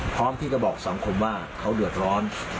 พร้อมที่จะบอกสังคมว่าเขาเดือดร้อน